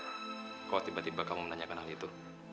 kalau tiba tiba kamu menanyakan hal itu